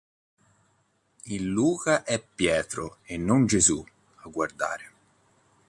In "Luca" è Pietro, e non Gesù, a guardare.